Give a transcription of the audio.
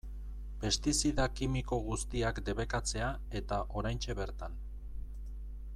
Pestizida kimiko guztiak debekatzea eta oraintxe bertan.